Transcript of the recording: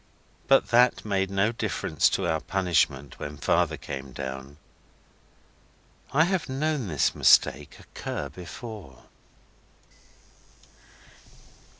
But that made no difference to our punishment when Father came down. I have known this mistake occur before.